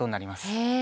へえ。